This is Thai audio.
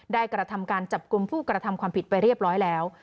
กระทำการจับกลุ่มผู้กระทำความผิดไปเรียบร้อยแล้ว